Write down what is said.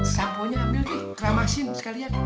sampo nya ambil nih keramasin lo sekali lihat